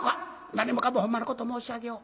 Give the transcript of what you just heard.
何もかもほんまのこと申し上げよう。